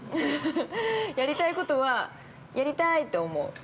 ◆やりたいことは、やりたいって思う。